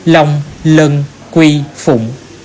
lông lân quy phụng